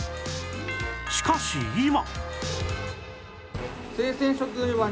しかし今